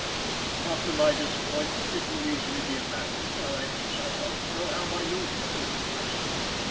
After my disappointment it will easily be imagined how anxious I was to know how my new ship was progressing.